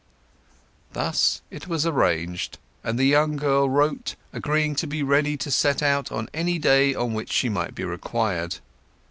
Thus it was arranged; and the young girl wrote, agreeing to be ready to set out on any day on which she might be required.